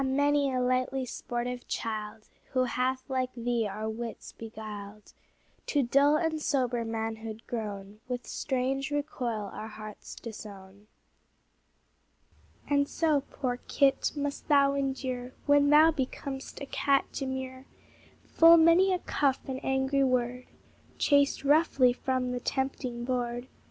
many a lightly sportive child, Who hath like thee our wits beguiled, To dull and sober manhood grown, With strange recoil our hearts disown. And so, poor kit! must thou endure, When thou becom'st a cat demure, Full many a cuff and angry word, Chased roughly from the tempting board.